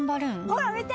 ほら見て！